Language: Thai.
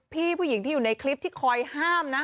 พี่ผู้หญิงที่อยู่ในคลิปที่คอยห้ามนะ